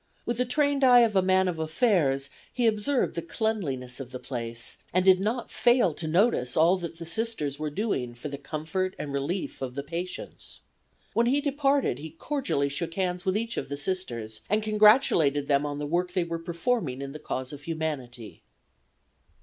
With the trained eye of a man of affairs he observed the cleanliness of the place, and did not fail to notice all that the Sisters were doing for the comfort and relief of the patients. When he departed he cordially shook hands with each of the Sisters, and congratulated them on the work they were performing in the cause of humanity.